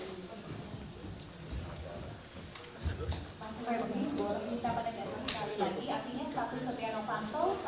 ini betul sekali tersangka dan pasalnya masih sama